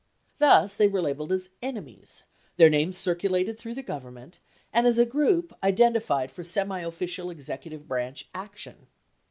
54 Thus, they were labeled as "enemies," their names circulated through the Government, and as a group, identi fied for semiofficial executive branch action.